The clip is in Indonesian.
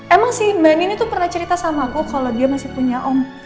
emang sih mbak nini tuh pernah cerita sama aku kalau dia masih punya om